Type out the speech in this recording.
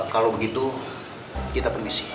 kalo begitu kita permisi